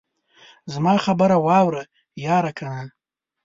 زما خبره واوره ياره کنه.